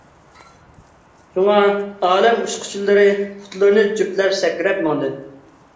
شۇڭا ئالەم ئۇچقۇچىلىرى پۇتلىرىنى جۈپلەپ سەكرەپ ماڭدى.